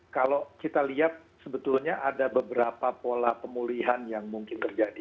kalau kita lihat sebetulnya ada beberapa pola pemulihan yang mungkin terjadi